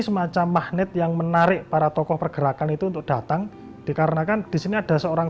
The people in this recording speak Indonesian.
semacam magnet yang menarik para tokoh pergerakan itu untuk datang dikarenakan disini ada seorang